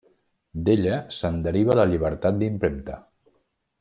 D'ella se'n deriva la llibertat d'impremta.